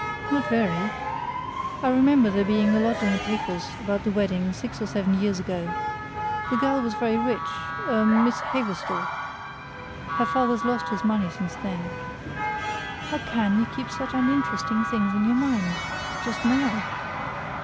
"Not very. I remember there being a lot in the papers about the wedding six or seven years ago. The girl was very rich a Miss Haverstall. Her father's lost his money since then." "How can you keep such uninteresting things in your mind just now?"